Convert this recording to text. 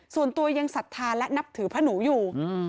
ส่วนตัวยังศรัทธาและนับถือพระหนูอยู่